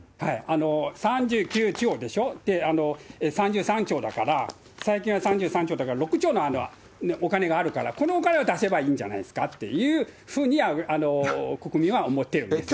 ３９兆でしょ、で、３３兆だから、債権は３３兆だから６兆のお金があるから、このお金を出せばいいんじゃないですかっていうふうに、国民は思ってるんですね。